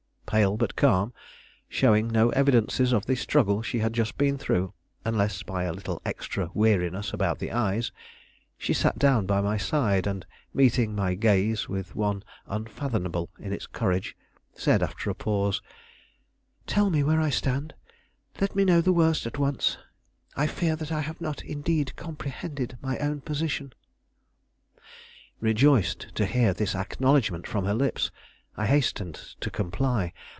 Pale but calm, showing no evidences of the struggle she had just been through, unless by a little extra weariness about the eyes, she sat down by my side, and, meeting my gaze with one unfathomable in its courage, said after a pause: "Tell me where I stand; let me know the worst at once; I fear that I have not indeed comprehended my own position." Rejoiced to hear this acknowledgment from her lips, I hastened to comply.